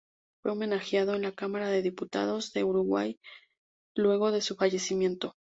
Fue homenajeado en la Cámara de Diputados de Uruguay luego de su fallecimiento.